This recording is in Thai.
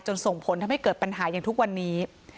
ส่งผลทำให้เกิดปัญหาอย่างทุกวันนี้